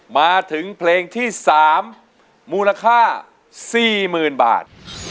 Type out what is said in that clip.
มาถึงเพลงที่๓มูลค่า๔๐๐๐บาท